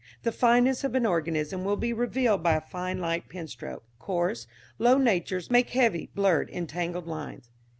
_ The fineness of an organism will be revealed by a fine light penstroke. Coarse, low natures make heavy blurred entangled lines.